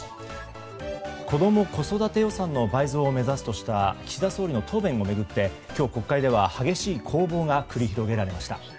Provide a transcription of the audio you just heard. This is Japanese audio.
子供・子育て予算の倍増を目指すとした岸田総理の答弁を巡って今日国会では激しい攻防が繰り広げられました。